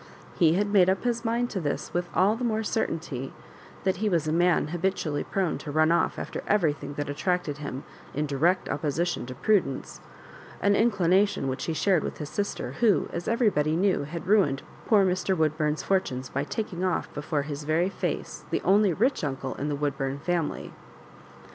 He had made up his mind to this with all the more certainty that he was a man habitu ally prone to run off after everything that at tracted him, in direct opposition to prudence — an inclination which he shared with his sister, who, as everybody knew, had ruined poor Mr. Woodbum's fortunes by " taking off" before his very face the only rich uncle in the Woodbum family.